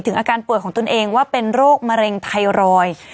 อาการป่วยของตนเองว่าเป็นโรคมะเร็งไทรอยด์